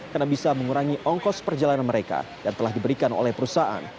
karena bisa mengurangi ongkos perjalanan mereka yang telah diberikan oleh perusahaan